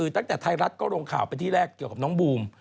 ตั้งแต่ไทยรัฐก็ลงข่าวไปที่แรกเกี่ยวกับน้องบูม